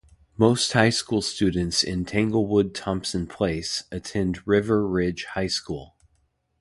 Most high school students in Tanglewilde Thompson Place attend River Ridge High School.